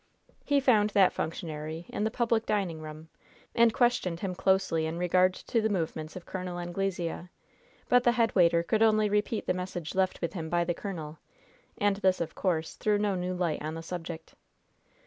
He found that functionary in the public dining room, and questioned him closely in regard to the movements of Col. Anglesea; but the head waiter could only repeat the message left with him by the colonel; and this, of course, threw no new light on the subject.